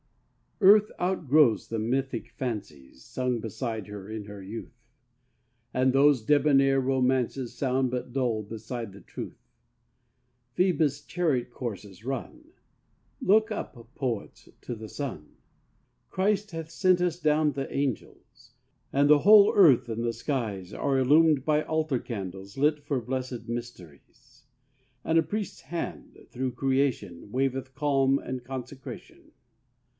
ARTH outgrows the mythic fancies Sung beside her in her youth ; And those debonair romances Sound but dull beside the truth. Phoebus' chariot course is run ! Look up, poets, to the sun ! Christ hath sent us down the angels; And the whole earth and the skies Are illumed by altar candles TRUTH. 35 Lit for blessed mysteries ; And a Priest's Hand, through creation, Waveth calm and consecration.